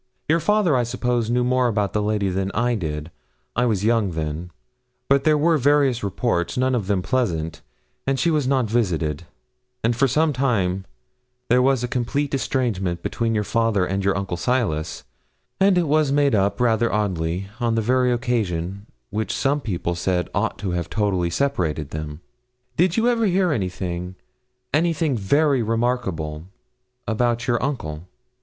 Your father, I suppose, knew more about the lady than I did I was young then but there were various reports, none of them pleasant, and she was not visited, and for some time there was a complete estrangement between your father and your uncle Silas; and it was made up, rather oddly, on the very occasion which some people said ought to have totally separated them. Did you ever hear anything anything very remarkable about your uncle?'